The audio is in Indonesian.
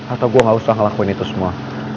atau gue gak usah ngelakuin itu semua